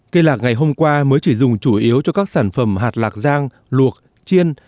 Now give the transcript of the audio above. cây lạc ngày hôm qua mới chỉ dùng chủ yếu cho các sản phẩm hạt lạc giang luộc chiên